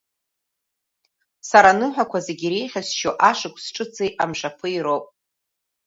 Сара аныҳәақәа зегьы иреиӷьасшьо Ашықәс ҿыци Амшаԥи роуп.